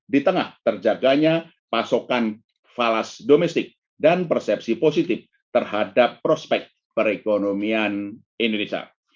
di tengah terjaganya pasokan falas domestik dan persepsi positif terhadap prospek perekonomian indonesia